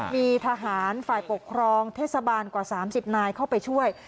มีทหารฝ่ายปกครองเทศบาลกว่า๓๐นายเข้าไปช่วย